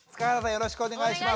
よろしくお願いします。